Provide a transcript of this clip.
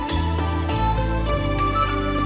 ตอนต่อไป